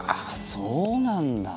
そうなんだ。